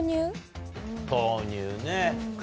豆乳ね。